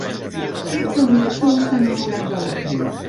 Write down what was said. Crec que el director està enamorat de l'actriu.